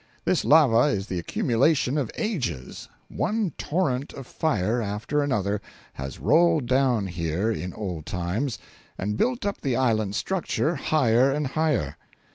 This lava is the accumulation of ages; one torrent of fire after another has rolled down here in old times, and built up the island structure higher and higher.